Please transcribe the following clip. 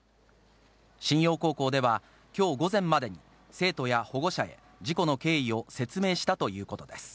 新陽高校では、きょう午前までに、生徒や保護者へ事故の経緯を説明したということです。